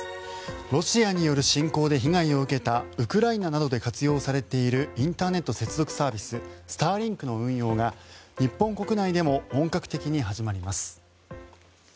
ロシアによる侵攻で被害を受けたウクライナなどで活用されているインターネット接続サービススターリンクの運用が日本国内でも本格的に始まります。